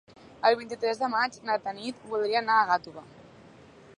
El vint-i-tres de maig na Tanit voldria anar a Gàtova.